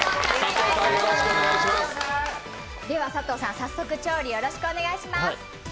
佐藤さん、早速調理をよろしくお願いします。